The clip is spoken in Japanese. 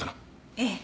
ええ。